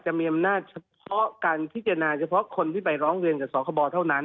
จะมีอำนาจเฉพาะการพิจารณาเฉพาะคนที่ไปร้องเรียนกับสคบเท่านั้น